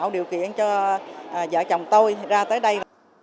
điều khiển cho vợ chồng tôi ra tới đây